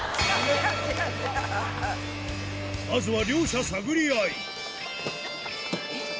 まずは両者探り合い